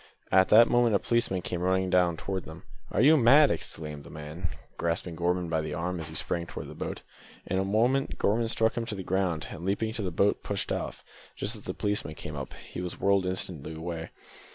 At that moment a policeman came running down towards them. "Are you mad?" exclaimed the man, grasping Gorman by the arm as he sprang toward the boat. In a moment, Gorman struck him to the ground, and leaping into the boat pushed off, just as the policeman came up. He was whirled away instantly.